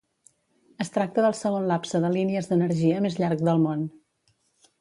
Es tracta del segon lapse de línies d'energia més llarg del món.